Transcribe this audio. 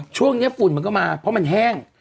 ช่วงนี้ฝุ่นมันก็มาเพราะมันแห้ง